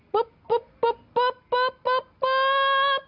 ปุ๊บปุ๊บ